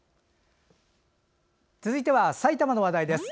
続いては埼玉の話題です。